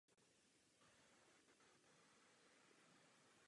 Sáhněte jí na tvář.